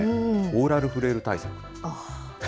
オーラルフレール対策。